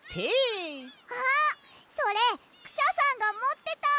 あっそれクシャさんがもってた！